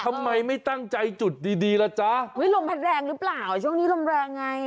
ทำไมไม่ตั้งใจจุดดีดีล่ะจ๊ะอุ้ยลมพัดแรงหรือเปล่าช่วงนี้ลมแรงไง